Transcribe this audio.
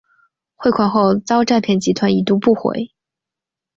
汇款后遭诈骗集团已读不回